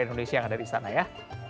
indonesia yang ada di sana ya